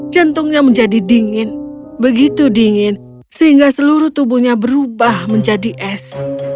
jantungnya menjadi dingin begitu dingin sehingga seluruh tubuhnya berubah menjadi es